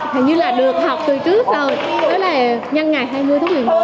hình như là được học từ trước rồi là nhân ngày hai mươi tháng một mươi một